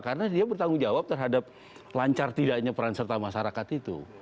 karena dia bertanggung jawab terhadap lancar tidaknya peran serta masyarakat itu